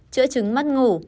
chữa trứng mắt ngủ